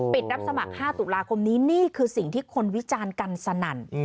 รับสมัคร๕ตุลาคมนี้นี่คือสิ่งที่คนวิจารณ์กันสนั่น